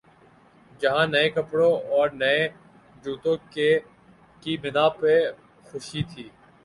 جہاں نئے کپڑوں اورنئے جوتوں کی بے پنا ہ خوشی تھی۔